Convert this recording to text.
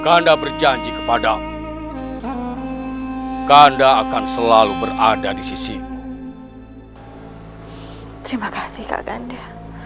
kanda berjanji kepadamu kanda akan selalu berada di sisimu terima kasih kakanda